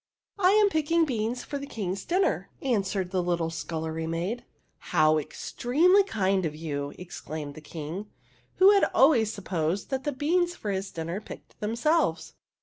'' I am picking beans for the King's dinner," answered the little scullery maid. " How extremely kind of you !" exclaimed the King, who had always supposed that the beans for his dinner picked themselves.